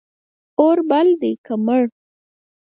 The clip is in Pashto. اور بل دی که مړ